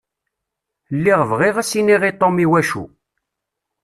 Lliɣ bɣiɣ ad s-iniɣ i Tom iwacu.